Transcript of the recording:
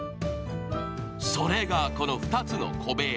それがこの２つの小部屋。